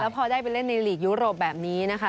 พอได้ไปเล่นในหลีกยุโรปแบบนี้นะคะ